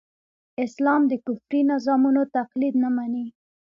اسلام د کفري نظامونو تقليد نه مني.